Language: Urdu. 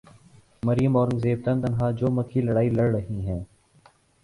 مریم اورنگزیب تن تنہا چو مکھی لڑائی لڑ رہی ہیں۔